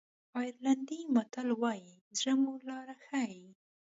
آیرلېنډي متل وایي زړه مو لاره ښیي.